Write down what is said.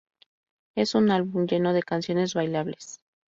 Es un álbum lleno de canciones bailables.